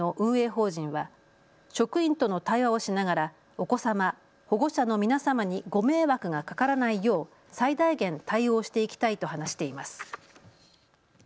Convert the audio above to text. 法人は職員との対話をしながらお子様、保護者の皆様にご迷惑がかからないよう最大限対応していきたいと話しています。